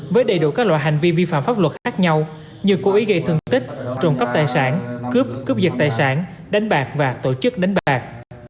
với đầy đủ các loại hành vi vi phạm pháp luật khác nhau như cố ý gây thương tích trùng cấp tài sản cướp cướp dịch tài sản đánh bạc và tổ chức đánh bạc